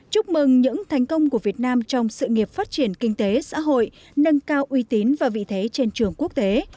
chúc mừng những thành công của việt nam trong sự nghiệp phát triển kinh tế xã hội nâng cao uy tín và vị thế trên trường quốc tế